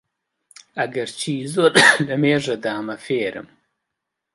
ئەگەرچی زۆر لەمێژە دامە فێرم